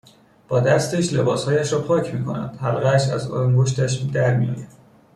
با دستش لباسهایش را پاک میکند حلقهاش از انگشتش درمیآید